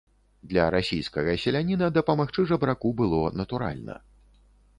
Для расійскага селяніна дапамагчы жабраку было натуральна.